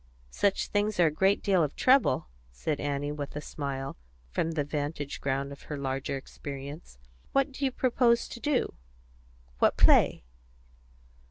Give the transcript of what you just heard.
"Such things are a great deal of trouble," said Annie, with a smile, from the vantage ground of her larger experience. "What do you propose to do what play?"